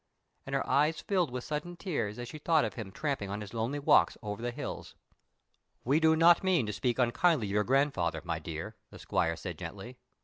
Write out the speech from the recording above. and her eyes filled with sudden tears as she thought of him tramping on his lonely walks over the hills. "We do not mean to speak unkindly of your grandfather, my dear," the squire said gently.